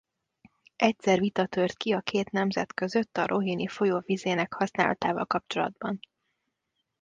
Egyszer vita tört ki a két nemzet között a Rohini-folyó vizének használatával kapcsolatban.